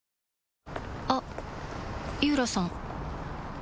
あっ井浦さん